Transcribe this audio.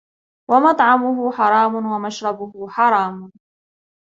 وَمَطْعَمُهُ حَرَامٌ، وَمَشْرَبُهُ حَرَامِ،